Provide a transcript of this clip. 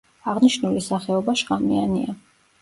აღნიშნული სახეობა შხამიანია.